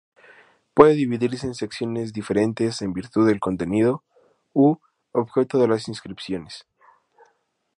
Puede dividirse en secciones diferentes en virtud del contenido u objeto de las inscripciones.